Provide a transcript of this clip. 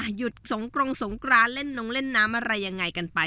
หยุดสงครองสงครามเล่นหนึ่งเล่นน้ำอะไรกันไป